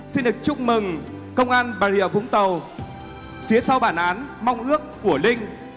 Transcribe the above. xin được chúc mừng công an bà rịa vũng tàu phía sau bản án mong ước của linh